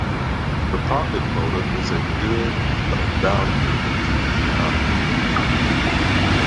The profit motive is a good of value to the economy.